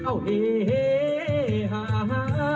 เอ้าเฮ้เฮ้ฮ่าฮ่า